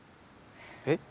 えっ？